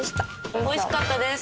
おいしかったです。